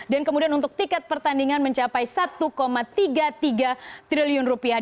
dan kemudian untuk tiket pertandingan mencapai satu tiga puluh tiga triliun rupiah